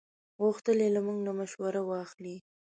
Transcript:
غوښتل یې له موږ نه مشوره واخلي.